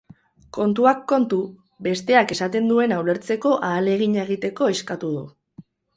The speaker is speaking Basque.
Kontuak kontu, besteak esaten duena ulertzeko ahalegina egiteko eskatu du.